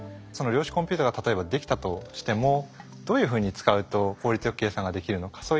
その量子コンピューターが例えばできたとしてもどういうふうに使うと効率よく計算ができるのか。